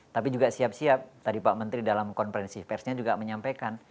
tapi juga siap siap tadi pak menteri dalam konferensi persnya juga menyampaikan